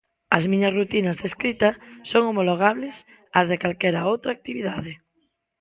As miñas rutinas de escrita son homologables ás de calquera outra actividade.